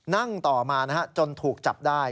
นั่งต่อมาจนถูกจับได้